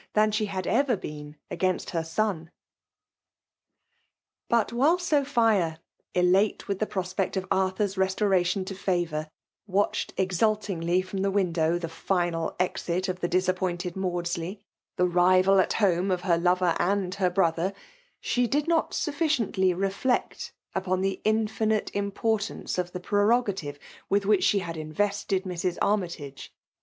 thaa hhe hadever been against her son. ' But while Sophia, elate with the prospect sIF Atthur*^ restoration to favour^ watched eitalt ingly from the window tlie final ent of tfap ^cappoiiited IDaindsIey, the rival at hoctic of lier loikv* find her brother, she did not sa^ci <etitlf irefleot; upon the infinite importaace wof the 'prerogative with whioh she had invented libs/' Arm^tagc.